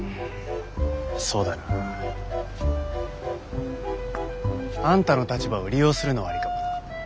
そうだな。あんたの立場を利用するのはアリかもな。